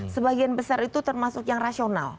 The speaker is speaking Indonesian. sebagian besar itu termasuk yang rasional